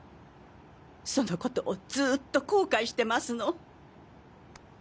その事をずっと後悔してますの。